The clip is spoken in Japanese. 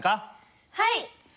はい！